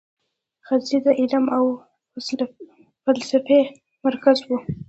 غزني د علم او فلسفې مرکز و.